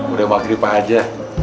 udah maghribah aja